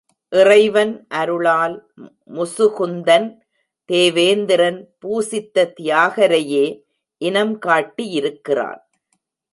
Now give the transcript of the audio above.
இறைவன் அருளால் முசுகுந்தன் தேவேந்திரன் பூசித்த தியாகரையே இனம் காட்டியிருக்கிறான்.